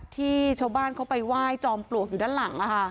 ที่ชาวบ้านเขาไปไหว้จอมปลวกอยู่ด้านหลัง